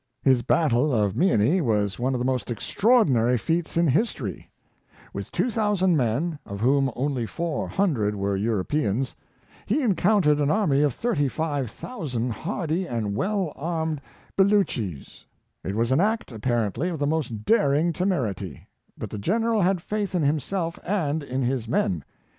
His battle of Meeanee was one of the most extraordinary feats in history. With 2,000 men, of whom only 400 were Europeans, he encoun tered an army of 35,000 hardy and well armed Beloo chees. It was an act, apparently, of the most daring temerity, but the General had faith in himself and in his men.